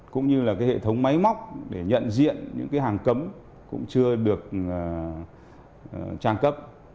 cũng như là cái hệ thống máy móc để nhận diện những hàng cấm cũng chưa được trang cấp